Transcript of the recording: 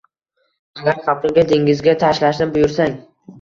Agar xalqingga, dengizga tashlashni buyursang